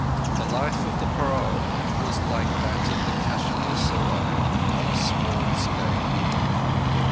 The life of the parao was very like that of the Kashmir Serai on a small scale.